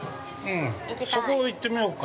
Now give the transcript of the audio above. そこ行ってみようか。